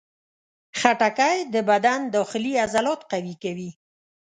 خټکی د بدن داخلي عضلات قوي کوي.